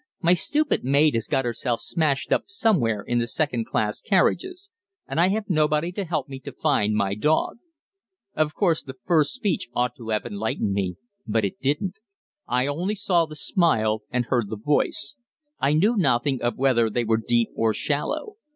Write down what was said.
'My stupid maid has got herself smashed up somewhere in the second class carriages, and I have nobody to help me to find my dog.' "Of course, that first speech ought to have enlightened me, but it didn't. I only saw the smile and heard the voice; I knew nothing of whether they were deep or shallow.